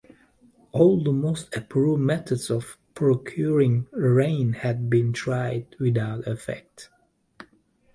All the most approved methods of procuring rain had been tried without effect.